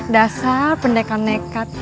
dasar pendekar nekat